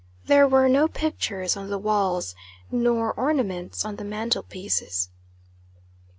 There were no pictures on the walls, nor ornaments on the mantle pieces.